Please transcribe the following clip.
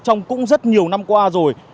trong cũng rất nhiều năm qua rồi